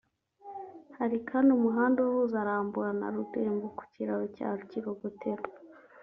Hari kandi umuhanda uhuza Rambura na Rurembo ku kiraro cya Kirogotero